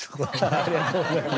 ありがとうございます。